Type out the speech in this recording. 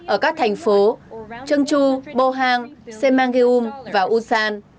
ở các thành phố chungju bohang semangaeum và ulsan